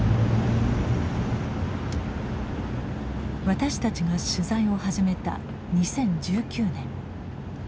私たちが取材を始めた２０１９年。